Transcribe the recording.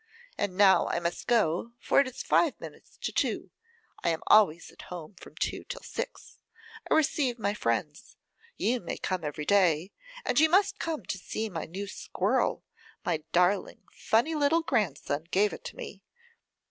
And now I must go, for it is five minutes to two, I am always at home from two till six; I receive my friends; you may come every day, and you must come to see my new squirrel; my darling, funny little grandson gave it me.